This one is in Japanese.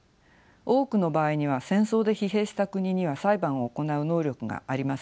多くの場合には戦争で疲弊した国には裁判を行う能力がありません。